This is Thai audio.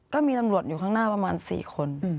ก็มีตำรวจอยู่ข้างหน้าประมาณ๔คน